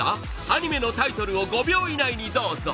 アニメのタイトルを５秒以内にどうぞ！